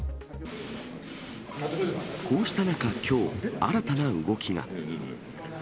こうした中、きょう、新たな動きが。